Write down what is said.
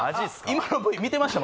今のＶ見てました？